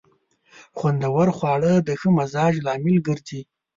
خوندور خواړه د ښه مزاج لامل ګرځي.